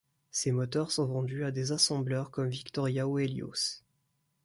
Ces moteurs sont vendus à des assembleurs comme Victoria ou Helios.